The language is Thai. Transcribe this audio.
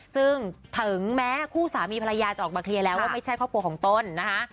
ซึ่งถึงแม้คู่สามีภรรยาจะออกมาเคลียร์แล้วว่าไม่ใช่ครอบครัวของตนนะคะ